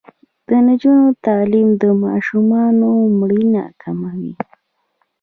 د نجونو تعلیم د ماشومانو مړینه کموي.